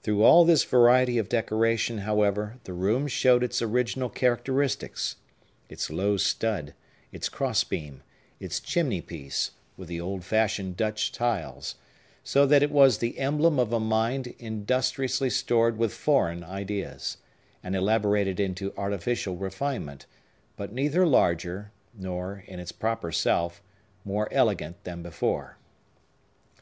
Through all this variety of decoration, however, the room showed its original characteristics; its low stud, its cross beam, its chimney piece, with the old fashioned Dutch tiles; so that it was the emblem of a mind industriously stored with foreign ideas, and elaborated into artificial refinement, but neither larger, nor, in its proper self, more elegant than before.